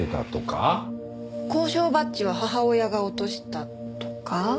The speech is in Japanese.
校章バッジは母親が落としたとか？